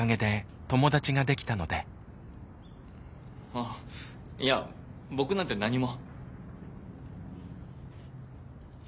あっいや僕なんて何も。